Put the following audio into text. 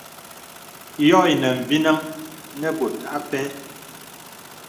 Yɔ̄ ìnə mvinəŋ nə bɔ̀t a pɛ.